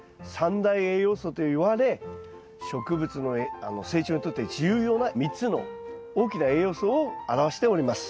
３大栄養素といわれ植物の成長にとって重要な３つの大きな栄養素を表しております。